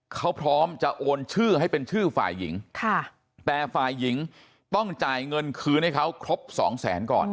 เขาพร้อมจะโอนชื่อให้เป็นชื่อฝ่ายหญิงแต่ฝ่ายหญิงต้องจ่ายเงินคืนให้เขาครบสองแสนก่อน